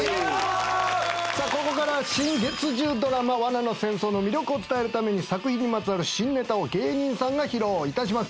さあここからは新月１０ドラマ『罠の戦争』の魅力を伝えるために作品にまつわる新ネタを芸人さんが披露いたします。